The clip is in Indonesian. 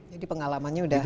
jadi pengalamannya sudah